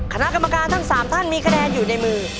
คณะกรรมการทั้ง๓ท่านมีคะแนนอยู่ในมือ